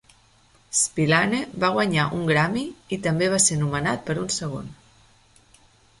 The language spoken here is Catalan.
Spillane va guanyar un Grammy i també va ser nomenat per un segon.